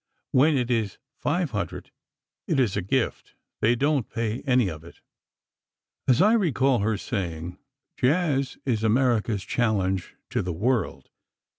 When it is five hundred, it is a gift—they don't pay any of it." And I recall her saying: "Jazz is America's challenge to the world."